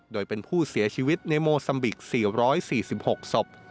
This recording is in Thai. โดยเป็นผู้เสียชีวิตในโมซัมบิก๔๔๖ศพ